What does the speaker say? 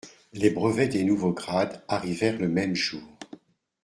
Les brevets des nouveaux grades arrivèrent le même jour.